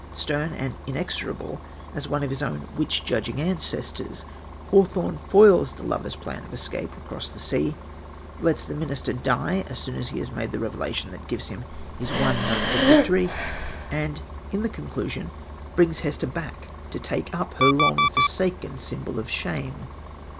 Stern and inexorable as one of his own witch judging ancestors, Hawthorne foils the lovers' plan of escape across the sea, lets the minister die as soon as he has made the revelation that gives him his one moment of victory, and in the conclusion brings Hester back to take up her long forsaken symbol of shame.